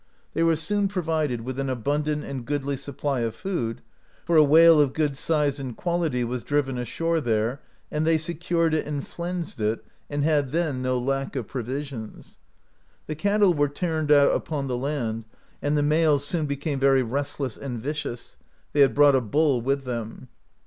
They were soon provided with an abundant and goodly supply of food, for a whale of good size and quality was driven ashore there, and they secured it, and flensed it, and had then no lack of provisions. The cattle were turned out upon the land, and the males soon became very restless and vicious ; they had brought a bull with them.